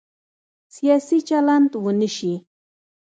سیاسي چلند ونه شي.